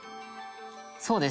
「そうです。